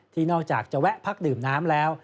นอกจากจะแวะพักดื่มน้ำแล้ว